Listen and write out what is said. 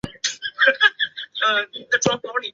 元朝至元十四年改为安丰路。